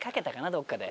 どっかで。